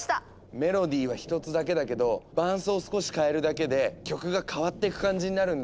メロディーは１つだけだけど伴奏を少し変えるだけで曲が変わっていく感じになるんだ。